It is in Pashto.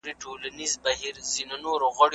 کله چې خلک واورېدل شي، اختلاف نه ژورېږي.